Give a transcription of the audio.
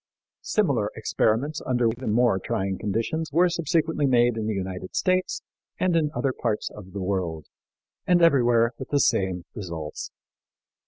Similar experiments under even more trying conditions were subsequently made in the United States and in other parts of the world, and everywhere with the same results.